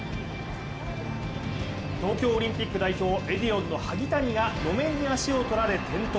東京オリンピック代表、エディオンの萩谷が路面に足を取られ転倒。